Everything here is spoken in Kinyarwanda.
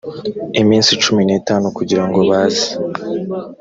iminsi cumi n itanu kugira ngo baze